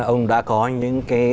ông đã có những cái